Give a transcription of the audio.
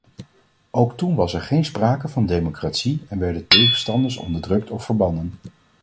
Ook toen was er geen sprake van democratie en werden tegenstanders onderdrukt of verbannen.